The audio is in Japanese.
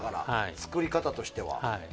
作り方としては。